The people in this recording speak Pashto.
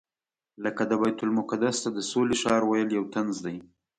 لکه د بیت المقدس ته د سولې ښار ویل یو طنز دی.